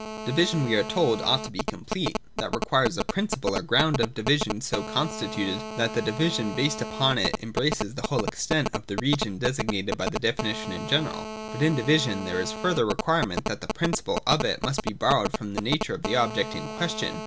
Division we are told ought to be complete. That requires a principle or ground of division so constituted, that the division based upon it embraces the whole extent of the region designated by the definition in general. But, in division, there is the further requirement that the principle of it must be borrowed from the nature of the object in question.